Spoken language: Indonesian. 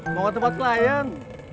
mau ke tempat klien